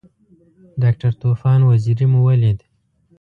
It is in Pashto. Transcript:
ډاکټر طوفان وزیری مو ولید.